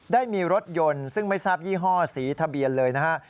ได้มีรถยนต์ซึ่งไม่ทราบยี่ห้อสีทะเบียนเลยนะฮะ